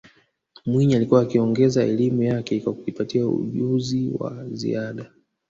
mwinyi alikuwa akiongeza elimu yake kwa kujipatia ujunzi wa ziada